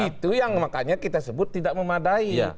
itu yang makanya kita sebut tidak memadai